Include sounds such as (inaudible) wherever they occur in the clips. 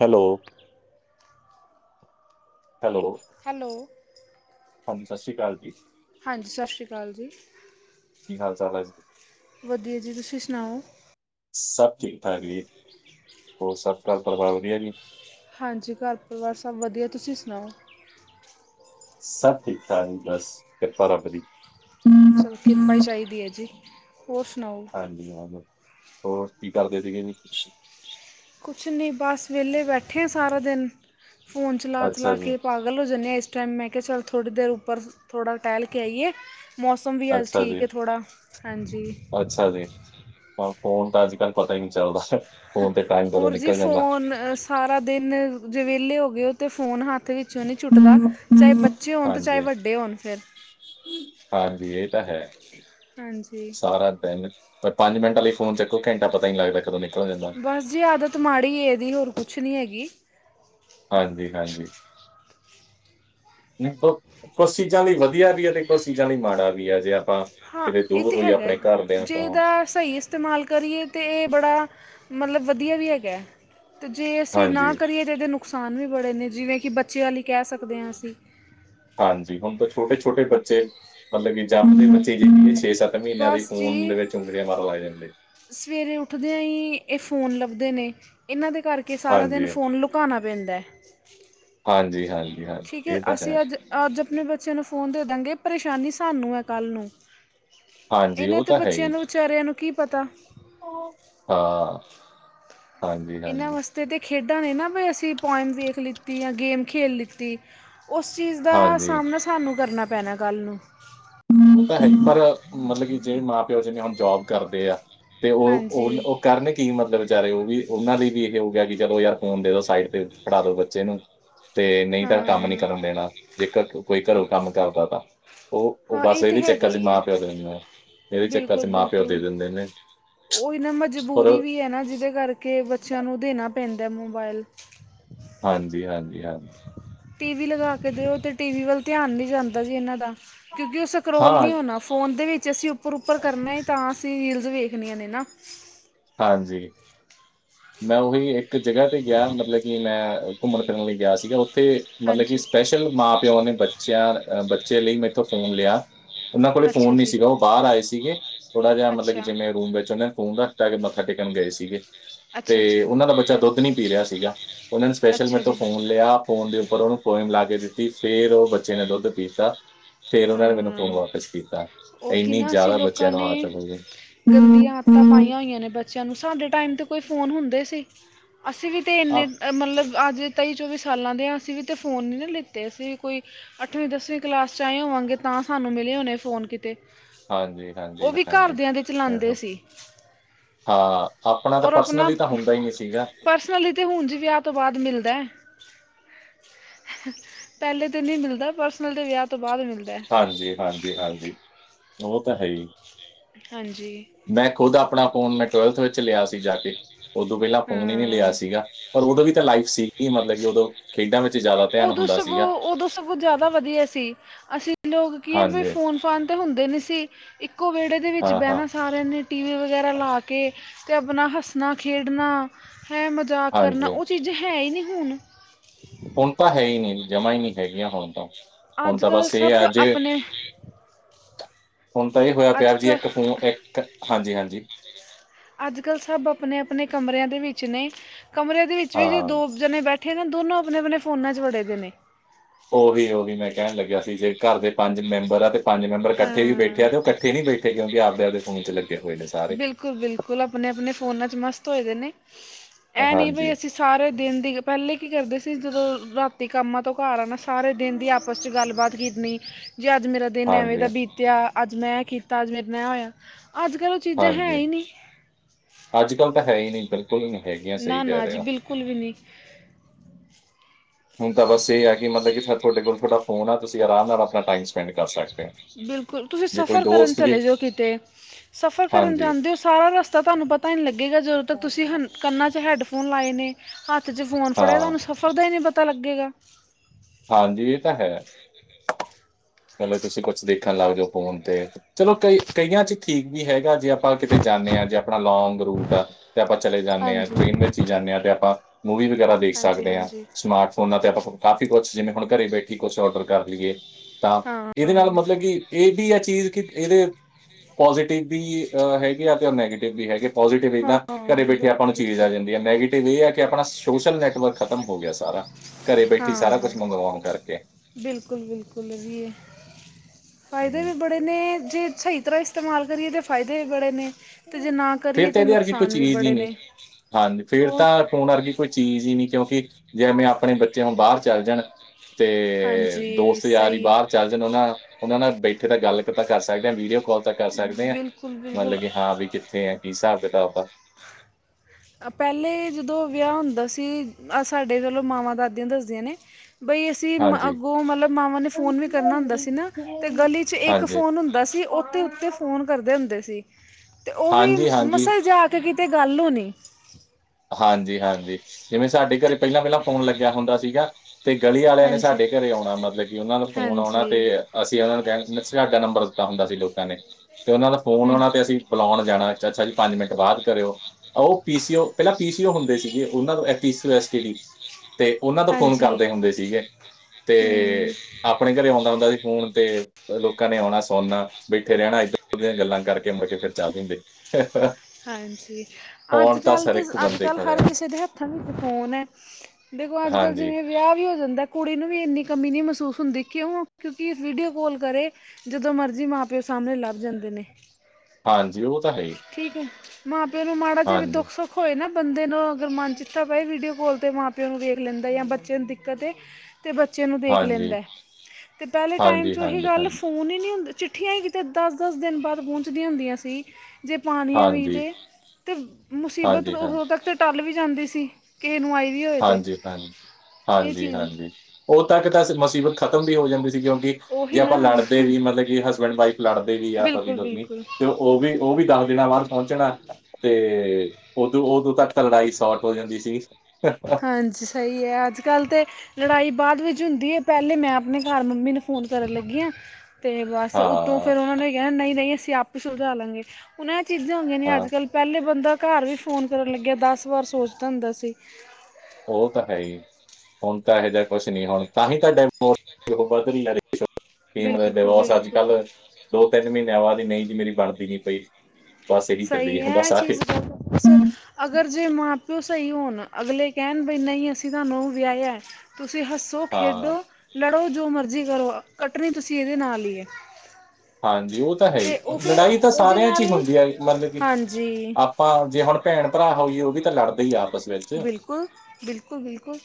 Hello hello. Hello. ਹਾਂਜੀ, ਸਸ਼੍ਰੀ ਕਾਲ ਜੀ। ਹਾਂਜੀ, ਸਾਸ਼੍ਰੀ ਕਾਲ ਜੀ। ਕੀ ਹਾਲ ਚਾਲ ਹੈ ਜੀ ਵਦੀਆ ਜੀ ਤੁਸੀ ਸੁਨਾਓ। ਸਭ ਠੀਕ ਠਾਕ ਜੀ ਹੋਰ ਸਭ ਘਰ ਪਰਿਵਾਰ ਵਧੀਆ ਜੀ ਹਾਂਜੀ ਘਰ ਪਰਿਵਾਰ ਸਭ ਵਧੀਆ ਤੁਸੀਂ ਸੁਣਾਓ ਸਭ ਠੀਕ ਠਾਕ ਬਸ ਫਿਰ ਸਾਰਾ ਵਧੀਆ ਚਲੋ ਕਿਰਪਾ ਹੀ ਚਾਹੀਦੀ ਹੈ ਜੀ ਹੋਰ ਸੁਣਾਓ ਹਾਂਜੀ ਹਾਂ ਹੋਰ ਕੀ ਕਰਦੇ ਸੀਗੇ ਜੀ ਕੁਛ ਨੀ ਬਸ ਵੇਹਲੇ ਬੈਠੇ ਸਾਰਾ ਦਿਨ ਫੋਨ ਚਲਾ ਅੱਛਾ ਚਲਾ ਜੀ ਕੇ ਪਾ ਗਲ ਇਸ ਟਾਈਮ ਮੈਂ ਕਿਹਾ ਚਲ ਥੋੜੇ ਦੇਰ ਉੱਪਰ ਥੋੜਾ ਟਹਿਲ ਕੇ ਆਈਏ ਮੌਸਮ ਮੌਸਮ ਵੀ ਅੱਜ ਅੱਛਾ ਠੀਕ ਜੀ ਹੈ ਥੋੜ੍ਹਾ ਹਾਂਜੀ ਅੱਛਾ ਜੀ ਹ ਫੋਨ ਤਾਂ ਅਜ ਕੱਲ ਪਤਾ ਈ ਨੀ ਚੱਲਦਾ ਫੋਨ ਤੇ ਟਾਈਮ ਕਦੋਂ ਹੋਰ ਜੀ ਨਿਕਲ ਜਾਂਦਾ ਫੋਨ ਸਾਰਾ ਦਿਨ ਜੇ ਵਿਹਲੇ ਹੋ ਗਏ ਹੋ ਤਾਂ ਫੋਨ ਹੱਥ ਵਿੱਚ ਪਿਛਾ ਨੀ ਛੁਟਦਾ ਚਾਏ ਬੱਚੇ ਓਨ, ਤੇ ਹਾਂਜੀ ਚਾਏ ਵੱਡੇ ਓਨ ਫੇਰ ਹਾਂਜੀ, ਏ ਤਾਂ ਹੈ। ਹਾਂਜੀ ਸਾਰਾ ਦੇਨ ਪਰ ਪੰਜ ਮੇਂਟ ਲਈ ਫੋਨ ਚੱਕੋ, ਘੰਟਾ ਪਤਾ ਈ ਨੀ ਲਾਗਦਾ ਕਦੋ ਨਿਕਲ ਜਾਂਦਾ। ਬਸ ਜੀ, ਆਦਤ ਮਾੜੀ ਏਦੀ ਹੋਰ ਕੁਛ ਨੀ ਹੈਗੀ। ਹਾਂਜੀ, ਹਾਂਜੀ। (unintelligible) ਕੋਛ ਚੀਜ਼ਾਂ ਲਈ ਵਦੀਆ ਵੀ ਐ, ਤੇ ਕੋਛ ਚੀਜ਼ਾਂ ਲਈ ਮਾੜਾ ਵੀ ਐ ਜੇਆ (unintelligible) ਹਾਂ ਕਿਤੇ ਦੂਰ ਹੋਈਏ ਆਪਨੇ ਘਰਦੇਆਂ ਤਾਂ ਸਈ ਇਸਤੇਮਾਲ ਕਰੀਏ ਤੇ ਏ ਬੜਾ ਮਲਬ ਵਦੀਆ ਵੀ ਹੈਗਾ। ਤੇ ਜੇ ਅਸੀ ਹਾਂਜੀ, ਨਾ ਕਰੀਏ ਤੇ ਏਦੇ ਨੁਕਸਾਨ ਵੀ ਬੜੇ ਨੇ, ਜਿਵੇਂ ਕਿ ਬੱਚੇਆਂ ਲੀ ਕੈ ਸਕਦੇ ਆਂ ਅਸੀ ਹਾਂਜੀ, ਹੁਨ ਤਾਂ ਛੋਟੇ, ਛੋਟੇ ਬੱਚੇ ਮਤਲਬਕੀ (unintelligible) ਛੇ ਸੱਤ ਮੀਨਆਂ ਦੇਈ ਬਸ ਫੋਨ ਦੇ ਜੀ ਵੇਚ ਉਂਗਲੀਆ ਮਾਰਨ ਲੱਗ ਜਾਂਦੇ। ਸਵੇਰੇ ਉੱਠਦੇਆਂ ਈ ਏ ਫੋਨ ਲੱਭਦੇ ਨੇ, ਏਨਾਂ ਦੇ ਕਰਕੇ ਕਿ ਸਾਰਾ ਦੇਨ ਹਾਂਜੀ, ਫੋਨ ਲੁਕਾਨਾ ਪੇਂਦਾ। ਹਾਂਜੀ, ਹਾਂਜੀ। ਠੀਕ ਹਾਂਜੀ ਐ, ਇਹ ਤਾਂ ਹੈ। ਅਸੀ ਅੱਜ, ਅੱਜ ਆਪਨੇ ਬੱਚੇਆਂ ਨੂੰ ਫੋਨ ਦੇ ਦਾਂਗੇ ਪਰੇਸ਼ਾਨੀ ਸਾਨੂੰ ਐ ਕੱਲ ਨੂੰ ਹਾਂਜੀ ਏਨਾਂ ਉਹ ਤ ਤਾਂ ਹੈ ਬੱਚੇਆਂ ਹੀ। ਨੂੰ ਵਚਾਰੇਆਂ ਨੂੰ ਕੀ ਪਤਾ ਹਾਂ। ਹਾਂਜੀ, ਏਨਾਂ ਹਾਂਜੀ, ਵਾਸਤੇ ਤੇ ਖੇਡਾਂ ਨੇ ਨਾ ਵੀ ਅਸੀ ਪੋਏਮ ਵੇਖ ਲਿੱਤੀ, ਯਾ ਗੇਮ ਖੇਲ ਲਿੱਤੀ। ਓਸ ਚੀਜ਼ ਦਾ ਹਾਂਜੀ। ਸਾਮਨਾ ਸਾਨੂੰ ਕਰਨਾ ਪੈਨਾ, ਕੱਲ ਨੂੰ ਓ ਤਾ ਹੈ ਹੀ ਪਰ ਮਤਲਬ ਕਿ ਜੇ ਮਾਂ-ਪਓ ਜਿਵੇੇ ਹੁਨ ਜੋਬ ਕਰਦੇ ਆ। ਤੇ ਓ ਹਾਂਜੀ ਓਨ ਓ ਕਰਨ ਕੀ ਮਤਲਬ ਵਿਚਾਰੇ ਓ ਵੀ ਓਨਾਂ ਲਈ ਵੀ ਏਹ ਹੋਗੇਆ, ਕਿ ਚਲੋ ਯਾਰ ਫੋਨ ਦੇ ਦੋ ਸਾਈਡ ਤੇ ਫੜਾ ਦੋ ਬੱਚੇ ਨੂੰ ਤੇ ਨਈ ਤਾਂ ਕੰਮ ਨੀ ਹਾਂ ਕਰਨ ਦੇਣਾ, ਜੇਕਰ ਕੋਈ ਘਰੋਂ ਕੰਮ ਕਰਦਾ ਤਾ ਓ ਓ ਹਾਂ ਬਸ ਇਹ ਤਾਂ ਏਦੇ ਹੈਗਾ ਚੱਕਰ ਚ ਹੀ ਹੈ ਮਾਂ-ਪਓ ਦੇਨੇ ਆ, ਏਦੇ ਚੱਕਰ ਚ ਮਾਂ-ਪਓ ਦੇ ਦੇਂਦੇ ਨੇ ਓਈ ਨਾ ਪਰ ਮਜਬੂਰੀ ਵੀ ਐ ਨਾ, ਜਿਦੇ ਕਰਕੇ ਬੱਚੇਆਂ ਨੂੰ ਦੇਨਾ ਪੈਂਦਾ ਮੋਬਾਇਲ ਹਾਂਜੀ, ਹਾਂਜੀ, ਹਾਂਜੀ। ਟੀ ਵੀ ਲਗਾ ਕੇ ਦੇਓ ਤੇ ਟੀ ਵੀ ਵੱਲ ਧੇਆਨ ਨੀ ਜਾਂਦਾ ਜੀ ਏਨਾਂ ਦਾ, ਕਉਕਿ ਓਸ ਸਕ੍ਰੋਲ ਹਾਂ ਨੀ ਹੋਨਾ ਫੋਨ ਦੇ ਵਿੱਚ ਅਸੀ ਉੱਪਰ, ਉੱਪਰ ਕਰਨਾ ਏ ਤਾਂ ਅਸੀਂ ਰੀਲ ਵੇਖਨੀਆਂ ਨੇ ਨਾ ਹਾਂਜੀ। ਮੈਂ ਓਹੀ ਏਕ ਜਗਾ ਤੇ ਗੇਆ, ਮਤਲਬ ਕਿ ਮੈਂ ਘੁੰਮਨ ਫਿਰਨ ਲਈ ਗੇਆ ਸੀਗਾ। ਤੇ ਮਤਲਬ ਕਿ ਹਾਂਜੀ ਸਪੈਸ਼ਲ ਮਾਂ-ਪਓ ਨੇ ਬੱਚੇਆਂ ਅ ਬੱਚੇ ਲਈ ਮੈਂਥੋਂ ਫੋਨ ਲੇਆ। ਓਨਾਂ ਕੋਲੇ ਅੱਛਾ ਫੋਨ ਨੀ ਜੀ ਸੀਗਾ ਓ ਬਾਰ ਆਏ ਸੀਗੇ, ਥੋੜਾ ਜੇਆ ਮਤਲਬ ਕਿ ਅੱਛਾ ਜਿਵੇਂ ਰੂਮ ਵੇਚ ਨੇ। (unintelligible) ਮੱਥਾ ਟੇਕਣ ਗਏ ਸੀਗੇ। ਅੱਛਾ ਤੇ ਅੱਛਾ ਓਨਾਂ ਦਾ ਬੱਚਾ ਦੋਧ ਨੀ ਪੀ ਰੇਆ ਸੀਗਾ, ਓਨਾਂ ਨੇ ਸਪੈਸ਼ਲ ਮੇਰੇ ਅੱਛਾ ਤੋ ਜੀ ਫੋਨ ਲੇਆ। ਫੋਨ ਦੇ ਉੱਪਰ ਓਨੂੰ ਪੋਯਮ ਲਾ ਕੇ ਦਿੱਤੀ, ਫੇਰ ਓ ਬੱਚੇ ਨੇ ਦੋਧ ਪੀਤਾ। ਫੇਰ ਓਨਾਂ ਨੇ ਮੈਨੂੰ ਫ਼ੋਨ ਹਾਂ ਵਾਪਿਸ ਕੀਤਾ, ਉਹੀ ਏਨੀ ਨਾ ਅਸੀਂ ਜੈਦਾ ਬੱਚੇਆਂ ਲੋਕਾਂ ਨੇ ਨੂੰ (unintelligible) ਗੰਦੀਆਂ ਆਤਾਂ ਹਮ, ਪਾਈਆਂ ਓਈਆਂ ਨੇ ਬ ਬੱਚੇਆਂ ਨੂੰ ਸਾਡੇ ਟਾਈਮ ਤੇ ਕੋਈ ਫੋਨ ਹੁੰਦੇ ਸੀ, ਅਸੀ ਵੀ ਤੇ ਆਪ ਏਨੇ ਮਲਬ ਅੱਜ ਤੇਈ -ਚੌਵੀ ਸਾਲਾਂ ਦੇ ਆ। ਅਸੀਂ ਵੀ ਤਾਂ ਫੋਨ ਨਹੀਂ ਨਾ ਲਿੱਤੇ ਅਸੀਂ ਕੋਈ ਅੱਠਵੀਂ -ਦਸਵੀਂ ਕਲਾਸ 'ਚ ਚਾਹਏ ਹੋਵਾਂਗੇ ਤਾਂ ਸਾਨੂੰ ਮਿਲੇ ਹੋਣੇ ਫੋਨ ਕੀਤੇ ਹਾਂਜੀ, ਹਾਂਜੀ, ਹਾਂਜੀ ਚਲਾਉਂਦੇ (unintelligible) ਸੀ ਹਾਂ, ਆਪਣਾ ਤਾਂ ਪਰਸਨਲੀ ਤਾਂ ਹੁੰਦਾ ਈ ਨੀ ਸੀਗਾ। (unintelligible) ਹੁਨ ਜੀ ਵੇਆ ਤੋ ਬਾਦ ਮਿਲਦਾ। ਪੇਲੇ ਤੇ ਨੀ ਮਿਲਦਾ ਪਰਸਨਲ ਦੇ ਵੇਆ ਤੋ ਬਾਦ ਮਿਲਦਾ। ਹੈ ਹਾਂਜੀ, ਹਾਂਜੀ, ਹਾਂਜੀ, ਓ ਤਾ ਹੈ ਈ। ਹਾਂਜੀ। ਮੈਂ ਖੋਦ ਆਪਣਾ ਫੋਨ ਮੈਂ ਟਵੈਲਥ ਵੇਚ ਲੇਆ ਸੀ ਜਾ ਕੇ, ਓਦੋਂ ਪੈਲਾਂ ਫੋਨ ਈ ਨੀ ਲੇਆ ਹਾਂ ਸੀਗਾ। ਪਰ ਓਦੋਂ ਵੀ ਤਾ ਲਾਈਵ ਸੀਗੀ, ਮਤਲਬ ਕਿ ਓਦੋਂ ਖੇਡਾਂ ਵੇ ਉਦੋਂ- ਸਗੋਂ, ਉਦੋਂ -ਸਗੋਂ ਜ਼ਿਆਦਾ ਵਧੀਆ ਸੀ। ਅਸੀਂ ਲੋਕ ਕੀ ਹੈ ਵੀ ਹਾਂਜੀ ਫੋਨ -ਫਾਨ ਹੁੰਦੇ ਨੀ ਸੀ। ਇੱਕੋ ਵਿਹੜੇ ਦੇ ਵਿੱਚ ਹਾਂ ਹਾਂ ਬਹਿਣਾ ਸਾ ਰਹ ਨੇ ਟੀ ਵੀ ਵਗੈਰਾ ਲਾ ਕੇ ਤੇ ਆਪਣਾ ਹੱਸਣਾ- ਖੇਡਣਾ। ਹੈ, ਮਬ ਮਜਾਕ ਕਰਨਾ ਹਾਂਜੀ ਉਹ ਚੀਜ਼ ਹੈ ਹੀ ਨਹੀਂ ਹੁਣ ਹੁਣ ਤਾਂ ਹੈ ਹੀ ਨਹੀ ਜਮਾਂ ਹੀ ਨਹੀ ਹੈਗੀਆਂ ਹੁਣ ਤਾਂ। ਹੁਣ ਅੱਜ ਤਾਂ ਕੱਲ੍ਹ ਬਸ ਇਹ ਸਭ ਹੈ ਜੇ ਆਪਣੇ ਹੁਣ ਤਾਂ ਇਹ ਹੋਇਆ ਪਿਆ ਅੱਜ ਜੀ ਕੱਲ੍ਹ ਇੱਕ ਫੋਨ, ਇੱਕ ਹਾਂਜੀ -ਹਾਂਜੀ ਅੱਜ- ਕੱਲ੍ਹ ਸਭ ਆਪਣੇ -ਆਪਣੇ ਕਮਰਿਆਂ ਦੇ ਵਿੱਚ ਨੇ। ਕਮਰਿਆਂ ਦੇ ਵਿੱਚ ਵੀ ਜੇ ਹਾਂ ਦੋ ਜਣੇ ਬੈਠੇ ਦੋਨੋਂ ਆਪਣੇ -ਆਪਣੇ ਫੋਨਾਂ ਚ ਵੜੇ ਪੇ ਨੇ। ਉਹੀ- ਉਹੀ, ਮੈਂ ਕਹਿਣ ਲੱਗਿਆ ਸੀ ਜੇ ਘਰ ਦੇ ਪੰਜ ਮੈਂਬਰ ਆ ਤੇ ਪੰਜ ਮੈਂਬਰ ਇਕੱਠੇ ਵੀ ਬੈਠੇ ਹਾਂ ਆ ਤੇ ਉਹ ਇਥੇ ਨਹੀਂ ਬੈਠੇ ਕਿਉਕਿ ਆਪਦੇ -ਆਪਦੇ ਫੋਨ ਚ ਲੱਗੇ। ਹੋਏ ਨੇ ਸਾਰੇ। ਬਿਲਕੁਲ- ਬਿਲਕੁਲ, ਆਪਣੇ- ਆਪਣੇ ਫੋਨਾਂ 'ਚ ਮਸਤ ਹੋਏ ਨੇਂ। ਇਹ ਨਹੀਂ ਵੀ ਹਾਂਜੀ, ਅਸੀਂ ਸਾਰੇ ਦਿਨ ਦੀ, ਪਹਿਲੇ ਕੀ ਕਰਦੇ ਸੀ ਜਦੋਂ ਰਾਤੀ ਕੰਮਾਂ ਤੋਂ ਘਰ ਆਨਾ ਸਾਰੇ ਦਿਨ ਦੀ ਆਪਸ 'ਚ ਗੱਲਬਾਤ ਗਤਨੀ ਜੇ ਅੱਜ ਮੇਰਾ ਦਿਨ ਐਵੇ ਹਾਂਜੀ, ਦਾ ਬੀਤਿਆ। ਅੱਜ ਮੈਂ ਇਹ ਕੀਤਾ। ਅੱਜ ਮੇਰੇ ਨਾਲ ਇਹ ਹੋਇਆ। ਅੱਜ ਕੱਲ੍ਹ ਉਹ ਚੀਜ਼ਾਂ ਹੈ ਹੀ ਨਹੀਂ। ਅੱਜ -ਕੱਲ੍ਹ ਤਾਂ ਹੈ ਹੀ ਨਹੀਂ, ਬਿਲਕੁਲ ਨਹੀਂ ਹੈਗੀਆਂ ਨਾ ਸਹੀ ਕਹਿ ਨਾ ਜੀ ਰਹੇ ਹੋ। ਬਿਲਕੁਲ ਵੀ ਨਹੀਂ ਹੁਣ ਤਾਂ ਬਸ ਇਹ ਆ ਕਿ ਮਤਲਬ ਕਿ ਤੁਹਾਡੇ ਕੋਲ ਤੁਹਾਡਾ ਫੋਨ ਆ ਤੁਸੀਂ ਆਰਾਮ ਨਾਲ ਆਪਣਾ ਟਾਈਮ ਸਪੈਂਡ ਕਰ ਸਕਦੇ ਹੋ। ਬਿਲਕੁਲ ਤੁਸੀਂ ਜੇ ਕੋਈ ਸਫ਼ਰ ਕਰਨ ਦੋਸਤ ਵੀ ਚਲੇ ਜਾਓ ਕਿਤੇ। ਸਫ਼ਰ ਕਰਨ ਹਾਂਜੀ। ਜਾਂਦੇ ਹੋ ਸਾਰਾ ਰਸ ਤਾਂ ਤੁਹਾਨੂੰ ਪਤਾ ਹੀ ਨਹੀਂ ਲੱਗੇਗਾ ਜਦੋਂ ਤੱਕ ਤੁਸੀਂ ਹ ਕੰਨਾਂ 'ਚ ਹੈਡਫੋਨ ਲਾਏ ਨੇ ਹੱਥ ਚ ਫੋਨ ਫੜੇ ਹਾਂ, ਤੁਹਾਨੂੰ ਸਫ਼ਰ ਦਾ ਹੀ ਨਹੀਂ ਪਤਾ ਲੱਗੇਗਾ। ਹਾਂਜੀ, ਇਹ ਤਾਂ ਹੈ। ਮਹਿਲ ਤੁਸੀਂ ਕੁਛ ਦੇਖਣ ਲੱਗ ਜਾਓ ਫੋਨ ਤੇ ਚਲੋ ਕਈ ਕਈਆਂ ਚ ਠੀਕ ਵੀ ਹੈਗਾ ਜੇ ਆਪਾਂ ਕਿਤੇ ਜਾਂਦੇ ਹਾਂ ਜੇ ਆਪਣਾ ਲੋਂਂਗ ਰੂਟ ਆ ਤੇ ਆਪਾਂ ਚਲੇ ਜਾਂਦੇ ਹਾਂ ਹਾਂਜੀ ਟ੍ਰੇਨ ਵਿੱਚ ਹੀ ਜਾਂਦੇ ਹਾਂ ਤੇ ਆਪਾਂ- ਮੂਵੀ ਵਗੈਰਾ ਦੇਖ ਹਾਂਜੀ ਸਕਦੇ ਹਾਂ। ਹਾਂਜੀ ਸਮਾਰਟ ਫੋਨਾਂ ਤੇ ਆਪਾਂ ਕਾਫ਼ੀ ਕੁਛ ਜਿਵੇਂ ਹੁਣ ਘਰੇ ਬੈਠੀ ਕੁਛ ਔਡਰ ਕਰ ਲਈਏ ਤਾਂ ਹਾਂ ਇਹਦੇ ਹਾਂ ਨਾਲ ਮਤਲਬ ਕਿ ਇਹ ਵੀ ਆ ਚੀਜ਼ ਕਿ ਇਹਦੇ ਪੋਜ਼ੀਟਿਵ ਵੀ ਅਹ ਹੈਗੇ ਆ ਤੇ ਉਹ ਨੈਗੇਟਿਵ ਵੀ ਹੈਗੇ। ਪਾਜ਼ੀਟਵ ਇਦਾ ਘਰੇ ਹਾਂ ਬੈਠੇ ਆਪਾਂ ਨੂੰ ਬਿਲਕੁਲ ਚੀਜ਼ ਆ ਬਿਲਕੁਲ ਜਾਂਦੀ ਹੈ। ਨੈਗੇਟਿਵ ਇਹ ਹੈ ਕਿ ਆਪਣਾ ਸੋਸ਼ਲ ਨੈਟਵਰਕ ਖ਼ਤਮ ਹੋ ਗਿਆ ਸਾਰਾ। ਘਰੇ ਬੈਠੀ ਸਾਰਾ ਹਾਂ ਕੁਛ ਮੰਗਵਾਉਣ ਕਰਕੇ। ਬਿਲਕੁਲ- ਬਿਲਕੁਲ, ਇਹ ਵੀ ਹੈ। ਫਾਇਦੇ ਹਮ। ਵੀ ਬੜੇ ਨੇ ਜੇ ਸਹੀ ਇਸ ਤਰਾਂ ਇਸਤੇਮਾਲ ਕਰੀਏ ਤਾਂ ਫਾਇਦੇ ਹੀ ਬੜੇ ਨੇ। ਤੇ ਜੇ ਨਾ ਕਰੀਏ ਫਿਰ ਤੇ ਇਹਦੇ ਵਰਗੀ ਕੋਈ ਨੁਕਸਾਨ ਵੀ ਚੀਜ਼ ਹੀ ਬੜੇ ਨੇ ਨਹੀਂ। ਹਾਂਜੀ, ਫੇਰ ਹੋਰ ਤਾਂ ਫੋਨ ਅਰਗੀ ਕੋਈ ਚੀਜ਼ ਹੀ ਨੀ ਕਿਉਂਕਿ ਜੇਵੇਂ ਆਪਣੇ ਬੱਚੇ ਨੂੰ ਬਾਹਰ ਚੱਲ ਜਾਣ- ਤੇ ਹਾਂਜੀ ਦੋਸਤ ਯਾਰੀ ਸਹੀ ਬਾਹਰ ਹੈ ਚੱਲ ਜਾਣ ਉਹਨਾਂ ਉਹਨਾਂ ਨਾਲ ਬੈਠੇ ਤਾਂ ਗੱਲ ਤਾਂ ਕਰ ਸਕਦੇ ਹਾਂ ਵੀਡੀਓ ਕਾਲ ਤਾਂ ਕਰ ਸਕਦੇ ਹਾਂ ਬਿਲਕੁਲ ਬਿਲਕੁਲ ਮਤਲਬ ਕਿ ਹਾਂ ਵੀ ਕਿੱਥੇ ਐ? ਕਿ ਹਿਸਾਬ ਕਿਤਾਬ ਆ? ਪਹਿਲੇ ਜਦੋਂ ਵਿਆਹ ਹੁੰਦਾ ਸੀ। ਸਾਡੇ ਚਲੋਂ ਮਾਵਾਂ- ਦਾਦੀਆਂ ਦੱਸਦੀਆਂ ਨੇ ਬਈ ਅਸੀਂ ਮ ਹਾਂਜੀ ਅੱਗੋਂ ਮਤਲਬ ਮਾਵਾਂ ਨੇ ਫੋਨ ਵੀ ਕਰਨਾ ਹੁੰਦਾ ਸੀ ਨਾ ਤੇ ਗਲੀ ਚ ਇੱਕ ਹਾਂਜੀ ਫੋਨ ਹੁੰਦਾ ਸੀ। ਉੱਤੇ, ਉੱਤੇ ਫੋਨ ਕਰਦੇ ਹੁੰਦੇ ਸੀ ਅਤੇ ਉਹ ਵੀ ਹਾਂਜੀ ਹਾਂਜੀ ਮਸਾਂ ਜਾ ਕੇ ਕਿਤੇ ਗੱਲ ਹੋਣੀ। ਹਾਂਜੀ -ਹਾਂਜੀ, ਜਿਵੇਂ ਸਾਡੇ ਘਰੇ ਤੇ- ਪਹਿਲਾਂ- ਪਹਿਲਾਂ ਫ਼ੋਨ ਲੱਗਿਆ ਹੁੰਦਾ ਸੀਗਾ। ਤੇ ਗਲੀ ਵਾਲਿਆਂ ਨੇ ਹਾਂਜੀ ਸਾਡੇ ਘਰੇ ਆਉਣਾ ਮਤਲਬ ਕਿ ਉਹਨਾਂ ਨੂੰ ਫੋਨ ਆਉਣਾ ਤੇ ਹਾਂਜੀ, ਅਸੀਂ ਉਹਨਾਂ ਨੂੰ ਕਹਿ ਸਾਡਾ ਨੰਬਰ ਦਿੱਤਾ ਹੁੰਦਾ ਸੀ ਲੋਕਾਂ ਨੇ ਤੇ ਉਹਨਾਂ ਦਾ ਫੋਨ ਹੂੰ, ਆਉਣਾ ਤੇ ਅਸੀਂ ਬੁਲਾਉਣ ਜਾਣਾ। ਅੱਛਾ ਜੀ, ਪੰਜ ਮਿੰਟ ਬਾਅਦ ਕਰਿਓ। ਉਹ ਪੀ ਸੀ ਓ ਪਹਿਲਾਂ ਪੀ ਸੀ ਓ ਹੁੰਦੇ ਸੀਗੇ। ਉਹਨਾਂ ਸ ਟੀ ਡੀ ਤੇ ਉਹਨਾਂ ਤੋਂ ਫੋਨ ਹਾਂਜੀ, ਕਰਦੇ ਹੁੰਦੇ ਸੀਗੇ। ਤੇ ਹੂੰ, ਆਪਣੇ ਘਰੇ ਆਉਂਦਾ ਹੁੰਦਾ ਸੀ ਫੋਨ ਤੇ ਲੋਕਾਂ ਨੇ ਆਉਣਾ ਸੌਣਨਾ ਬੈਠੇ ਰਹਿਣਾ ਇਏਧਾਂ ਦੀ ਗੱਲਾਂ ਕਰਕੇ ਮੁੜਕੇ ਫਿਰ ਚੱਲ ਦੁੰਦੇ ਹਾਂਜੀ, ਅੱਜ- ਤਾਂ ਕੱਲ੍ਹ ਤ ਸਰ ਇੱਕ ਅੱਜ ਬੰਦੇ -ਕੱਲ੍ਹ ਕੋਲ ਹਰ ਹੈ ਕਿਸੇ ਦੇ ਹੱਥਾਂ ਵਿੱਚ ਫੋਨ ਹੈ। ਦੇਖੋ ਅੱਜ- ਕੱਲ ਹਾਂਜੀ ਜਿਵੇਂ ਵਿਆਹ ਵੀ ਹੋ ਜਾਂਦਾ ਕੁੜੀ ਨੂੰ ਵੀ ਇੰਨੀ ਕਮੀ ਨਹੀਂ ਮਹਿਸੂਸ ਹੁੰਦੀ ਕਿਉਂ ਕਿਉਂਕਿ ਵੀਡੀਓ ਕੋਾਲ ਕਰੇ ਜਦੋਂ ਮਰਜੀ ਮਾਂ ਪਿਓ ਸਾਹਮਣੇ ਲੱਭ ਜਾਂਦੇ ਨੇ ਹਾਂਜੀ ਉਹ ਤਾਂ ਹੈ ਹੀ ਠੀਕ ਹੈ ਮਾਂ ਪਿਓ ਨੂੰ ਮਾੜਾ ਜਿ ਵੀ ਹਾਂਜੀ ਦੁੱਖ ਸੁੱਖ ਹੋਏ ਨਾ ਬੰਦੇ ਨੂੰ ਅਗਰ ਮਨ ਚਿੱਥਾਵੇ ਵੀਡੀਓ ਕੋਲ ਦੇ ਮਾਂ ਪਿਓ ਨੂੰ ਵੇਖ ਲੈਂਦਾ ਜਾਂ ਬੱਚ ਨੂੰ ਦਿੱਕਤ ਅਤੇ ਬੱਚੇ ਨੂੰ ਦੇਖ ਹਾਂਜੀ ਲੈਂਦਾ ਅਤੇ ਪਹਿਲੇ ਟਾਈਮ ਹਾਂਜੀ 'ਚ ਉਹੀ ਹਾਂਜੀ ਗੱਲ ਹਾਂਜੀ ਫੋਨ ਹੀ ਨਹੀਂ ਹੁੰਦੀ ਚਿੱਠੀਆਂ ਹੀ ਕਿਤੇ ਦਸ ਦਸ ਦਿਨ ਬਾਅਦ ਪਹੁੰਚਦੀਆਂ ਹੁੰਦੀਆਂ ਸੀ ਜੇ ਪਾਣੀਆਂ ਹੈ ਹਾਂਜੀ ਵੀ ਤਾਂ ਤਾਂ ਮੁਸੀਬਤ ਹਾਂਜੀ ਹਾਂ ਉਦੋਂ ਤੱਕ ਟੱਲ ਵੀ ਜਾਂਦੀ ਸੀ ਕਿਹ ਨੂੰ ਆਈ ਵੀ ਹੋਏ ਤੇ ਹਾਂਜੀ ਹਾਂ ਇਹ ਹਾਂਜੀ ਚੀਜ਼ ਹਾਂਜੀ ਉਦ ਤੱਕ ਤਾਂ ਮੁਸੀਬਤ ਖ਼ਤਮ ਵੀ ਹੋ ਜਾਂਦੀ ਸੀ ਕਿਉਂਕਿ ਉਹੀ ਜੇ ਆਪਾਂ ਨਾ ਲੜਦੇ ਵੀ ਮਤਲਬ ਕਿ ਹਸਬੈਂਡ ਵਾਈਫ ਲੜਦੇ ਵੀ ਹੈ ਪਤੀ ਬਿਲਕੁਲ ਪਤਨੀ ਬਿਲਕੁਲ ਤੇ ਉਹ ਵੀ ਉਹ ਵੀ ਦਸ ਦਿਨਾਂ ਬਾਅਦ ਪਹੁੰਚਣਾ ਤੇ ਤੇ ਉਦੋਂ ਉਦੋਂ ਤੱਕ ਲੜਾਈ ਸੋਟ ਹੋ ਜਾਂਦੀ ਸੀ ਹਾਂਜੀ ਸਹੀ ਹੈ ਅੱਜ ਕੱਲ੍ਹ ਤੇ ਲੜਾਈ ਬਾਅਦ ਵਿੱਚ ਹੁੰ ਹੈ ਪਹਿਲੇ ਮੈਂ ਆਪਣੇ ਘਰ ਮੰਮੀ ਨੂੰ ਫੋਨ ਕਰਨ ਲੱਗੀ ਹਾਂ ਅਤੇ ਬਸ ਹਾਂ ਉੱਤੋਂ ਫਿਰ ਉਹਨਾਂ ਨੇ ਕਿਹਾ ਨਹੀਂ ਅਸੀਂ ਆਪ ਸੁਲਝਾ ਲਾਂਗੇ ਉਹਨਾਂ ਚੀਜ਼ਾਂ ਹ ਹੋ ਗਗਆਂ ਨੇ ਅੱਜ ਹਾਂ ਕੱਲ੍ਹ ਪਹਿਲੇ ਬੰਦਾ ਘਰ ਵੀ ਫ਼ੋਨ ਕਰਨ ਲੱਗਿਆ ਦਸ ਵਾਰ ਸੋਚਦਾ ਹੁੰਦਾ ਸੀ ਉਹ ਤਾਂ ਹੈ ਹੀ ਹੁਣ ਤਾਂ ਇਹੋ ਜਿਹਾ ਕੁਛ ਨੀ ਹੁਣ ਤਾਂ ਹੀ ਤਾਂ ਡਾਇਵੋਰਸ ਉਹ ਵੱਧ ਰਹੀ ਕੀ ਮਤਲਬ ਡਿਵੋਰਸ ਅੱਜ ਬਿਲਕੁਲ-ਬਿਲਕੁਲ ਕੱਲ ਦੋ ਤਿੰਨ ਮਹੀਨਿਆਂ ਬਾਅਦ ਹੀ ਨਹੀਂ ਜ ਮੇਰੀ ਬਣਦੀ ਹੀ ਪਈ ਬਸ ਇਹੀ ਚੱਲੀ ਸਹੀ ਹ ਹੈ ਬਸ ਇਹ ਆਾਰੇ ਚੀਜ਼ ਬਸ ਅਗਰ ਜੇ ਮਾਂ ਪਿਓ ਸਹੀ ਹੋਣ ਅਗਲੇ ਕਹਿਣ ਬਈ ਨਹੀਂ ਅਸੀਂ ਤਾਂ ਨੂੰਹ ਵਿਆਹਈ ਹੈ ਤੁਸੀਂ ਹੱਸ ਸੋ ਹਾਂ ਖੇਡੋ ਲੜੋ ਜੋ ਮਰਜ਼ੀ ਕਰੋ ਕੱਟਣੀ ਤੁਸੀਂ ਇਹਦੇ ਨਾਲ ਹੀ ਹੈ ਹਾਂਜੀ ਉਹ ਤਾਂ ਹੈ ਤੇ ਹੀ ਉਹ ਫਿਰ ਲੜਾਈ ਤਾਂ ਉਹਦੇ ਸਾਰਿਆਂ ਚ ਹੀ ਨਾਲ ਹੁੰਦੀ ਹੈ ਮਤਲਬ ਕਿ ਹਾਂਜੀ ਆਪਾਂ ਜੇ ਹੁਣ ਭੈਣ ਭਰਾ ਹੋਈਏ ਉਹ ਵੀ ਤਾਂ ਲੜਦੇ ਹੀ ਆਪ ਬਿਲਕੁਲ ਬਿਲਕੁਲ ਬਿਲਕੁਲ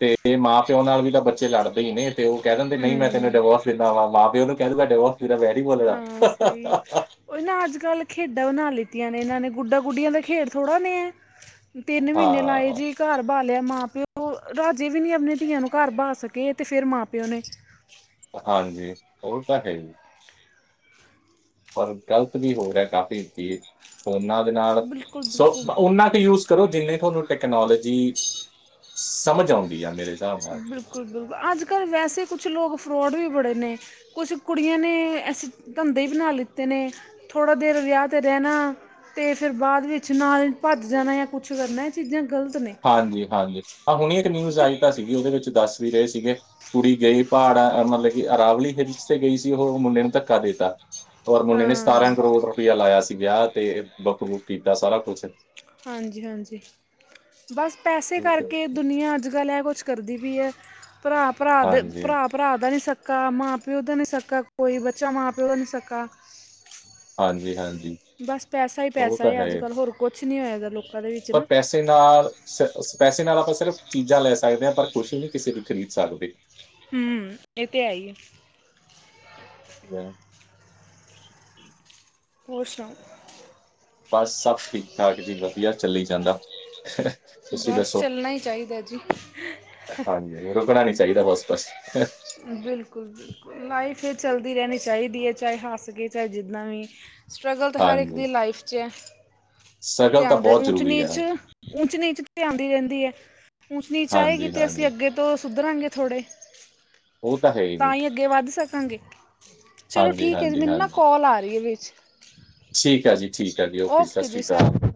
ਤੇ ਮਾਂ ਪਿਓ ਨਾਲ ਵੀ ਤਾਂ ਬੱਚੇ ਲੜਦੇ ਹੀ ਨੇ ਤੇ ਉਹ ਕਹਿ ਦਿੰਦੇ ਨਹੀਂ ਮੈਂ ਤੈਨੂੰ ਹੂੰ ਡਿਵੋਰਸ ਫਨਾ ਵਾ ਮਾਂ ਪਿਓ ਨੂੰ ਕਹਿ ਦੂਗਾ ਡਿਵੋਰਸਦਾ ਵੈਰੀ ਬੋਲੇ ਦਾ ਹਾਂ ਸਹੀ ਹੈ ਉਹ ਇਹਨਾਂ ਨੇ ਅੱਜ ਕੱਲ ਖੇਡਾਂ ਬਣਾ ਲਿੱਤੀਆਂ ਨੇ ਇਹਨਾਂ ਨੇ ਗੁੱਡਾ ਗੀਆਂ ਦਾ ਖੇਡਥੜ੍ਹਾ ਨੇ ਤਿੰਨ ਮਹੀਨੇ ਲਾਏ ਹਾਂ ਜੀ ਘਰ ਬਾਲਿਆ ਮਾਂ ਪਿਓ ਉਹ ਰਾਜੇ ਵੀ ਨੀ ਆਪਣੇ ਧੀਆਂ ਨੂੰ ਘਰ ਬਹਾ ਸਕੇ ਤੇ ਫੇਿਰ ਮਾਂ ਪਿਓ ਨੇ ਹਾਂਜੀ ਉਹ ਤਾਂ ਹੈ ਜੀ ਪਰ ਗਲਤ ਵੀ ਹੋ ਰਿਹਾ ਕਾਫ਼ੀ ਵ ਫੋਨਾਂ ਦੇ ਨਾਲ ਬਿਲਕੁਲ ਸ ਬਿਲਕੁਲ ਉਹਨਾਂ ਕੁ ਯੂਜ ਕਰੋ ਜਿੰਨੇ ਤੁਹਾਨੂੰ ਟੈਕਨੋਲੋਜੀ ਸਮਝ ਆਉਂਦੀ ਆ ਮੇਰੇ ਹਿਸਾਬ ਨਾਲ ਬਿਲਕੁਲ ਬਿਲਕੁਲ ਅੱਜ ਕੱਲ ਵੈਸੇ ਕੁਛ ਲੋਕ ਫਰਡ ਵੀ ਬੜੇ ਨੇ ਕੁਛ ਕੁੜੀਆਂ ਨੇ ਐਸੀੇ ਧੰਦੇ ਬਣਾ ਲਿੱਤੇ ਨੇ ਥੋੜ੍ਹਾ ਦੇਰ ਵਿਆਹ 'ਤੇ ਰਹਿਣਾ ਅਤੇ ਫਿਰ ਬਾਅਦ ਵਿੱਚ ਨਾਲ ਭੱਜ ਜਾਣਾ ਜਾਂ ਕੁਛ ਕਰਨਾ ਇਹ ਚੀਜ਼ਾਂ ਗਲਤ ਨੇ ਹਾਂਜੀ ਹਾਂਜੀ ਹਾਂ ਹੁਣੀ ਇੱਕ ਨਿਊਜ਼ ਆਈ ਤਾਂ ਸੀਗੀ ਉਹਦੇ ਵਿੱਚ ਦੱਸ ਵੀ ਰਹੇ ਸੀਗੇ ਕੁੜੀ ਗਈ ਪਹਾੜ ਅ ਮਤਲਬ ਕਿ ਅਰਾਵਲੀ ਹਿਲਸ ਤੇ ਗਈ ਸੀ ਉਹ ਮੁੰਡੇ ਨੂੰ ਧੱਕਾ ਦੇਤਾ ਹੋਰ ਮੁੰਡੇ ਨੇ ਹਾਂ ਸਤਾਰਾਂ ਕਰੋੜ ਰੁਪਇਆ ਲਾਇਆ ਸੀ ਵਿਹ ਤੇ ਬੁੱਕ ਬੁੱਕ ਕੀਤਾ ਸਾਰਾ ਕੁਛ ਹਾਂਜੀ ਹਾਂਜੀ ਬਸ ਪੈਸੇ ਕਰਕੇ ਦੁਨੀਆਂ ਅੱਜ ਕੱਲ ਹੈ ਕੁਛ ਕਰਦੀ ਵੀ ਹੈ ਭਰਾ ਭਰਾ ਹਾਂਜੀ, ਭਰਾ ਭਰਾ ਦਾ ਨਹੀਂ ਸਕਾ ਮਾਂ ਪਿਓ ਦਾ ਨਹੀਂ ਸਕਾ ਕੋਈ ਬੱਚਾ ਮਾਂ ਪਿਓ ਦਾ ਨਹੀਂ ਸਕੱਕਾ ਹਾਂਜੀ ਹਾਂਜੀ ਬਸ ਪੈਸਾ ਹੀ ਉਹ ਪੈਸਾ ਤਾਂ ਹੈ ਅੱਜ ਕੱਲ੍ਹ ਹੋਰ ਕੁਛ ਨਹੀਂ ਹੋਆ ਦਾ ਲੋਕਾਂ ਦੇ ਵਿੱਚ ਨਾ ਪੈੇ ਨਾਲ ਪੈਸੇ ਨਾਲ ਆਪਾਂ ਸਿਰਫ ਚੀਜ਼ਾਂ ਲੈ ਸਕਦੇ ਹਾਂ ਪਰ ਕੁਛ ਨਹੀਂ ਕਿਸੇ ਦੀ ਖਰੀਦ ਸਕਦੇ ਹਮ ਇਹ ਤੇ ਹੈ ਹੀ ਅੱਛਾ ਹੋਰ ਸੁਣਾਓ ਬਸ ਸਭ ਠੀਕ ਠਾਕ ਜੀ ਵਧੀਆ ਚੱਲੀ ਜਾਂਦਾ ਤੁਸੀਂ ਬਸ ਦੱਸੋ? ਚੱਲਣਾ ਹੀ ਚਾਹੀਦਾ ਜੀ। ਹਾਂਜੀ ਰੁਕਣਾ ਨੀ ਚਾਹੀਦਾ ਬਸ ਕੁਛ ਬਿਲਕੁਲ ਬਿਲਕੁਲ ਲਾਈਫ ਚੱਲਦੀ ਰਹਿਣੀ ਚਾਹੀਦੀ ਹੈ ਚਾਹੇ ਹੱਸ ਕੇ ਚਾਹੇ ਜਿੱਦਾਂ ਵੀ ਸਟਰਗਲ ਹਰ ਇੱਕ ਹਾਂਜੀ। ਦੀ ਲਾਈਫ 'ਚ ਉਹ ਤੇ ਸ਼ਕਲ ਤਾਂ ਆਉਂਦੇ ਬਹੁਤ ਊਚ ਜ਼ਰੂਰੀ ਹੈ ਨੀਚ ਉਚ ਨੀਚ ਤੇ ਆਉਂਦੀ ਰਹਿੰਦੀ ਹੈ। ਉਚ ਨੀਚ ਆਏਗੀ ਹਾਂਜੀ, ਤੇ ਅਸੀਂ ਹਾਂਜੀ। ਅੱਗੇ ਤੋਂ ਸੁਧਰਾਂਗੇ ਥੋੜੇ ਉਹ ਤੇ ਹੈ ਜੀ। ਤਾਂ ਹੀ ਅੱਗੇ ਵੱਧ ਸਕਾਂਗੇ। ਚਲੋ ਹਾਂਜੀ, ਠੀਕ ਹੈ ਜੀ ਹਾਂਜੀ, ਮੈਨੂੰ ਨਾ ਹਾਂਜੀ। ਕੋਲ ਆ ਰਹੀ ਹੈ ਵਿਚ। ਠੀਕ ਹੈ ਜੀ ਠੀਕ ਹੈ ਜੀ। ਓਕੇ ਸਤਿ ਜੀ ਸ਼੍ਰੀ ਅਕਾਲ। ਸਰ